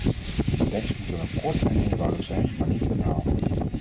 De tekst moet dan ook kort en eenvoudig zijn, maar niet banaal.